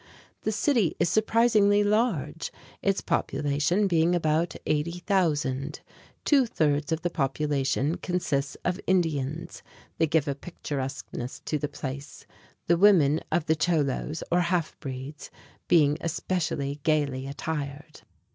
The city is surprisingly large, its population being about 80,000. Two thirds of the population consists of Indians. They give a picturesqueness to the place, the women of the Cholos (cho´los), or half breeds, being especially gaily attired.